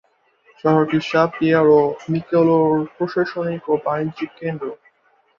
শহরটি সাঁ পিয়ের ও মিকলোঁ-র প্রশাসনিক ও বাণিজ্যিক কেন্দ্র।